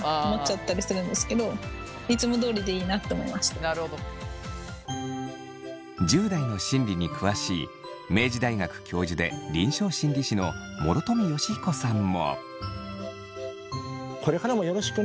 松村さんは何か１０代の心理に詳しい明治大学教授で臨床心理士の諸富祥彦さんも。